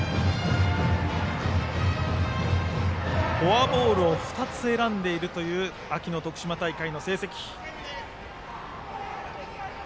フォアボールを２つ選んでいるという秋の徳島大会の成績。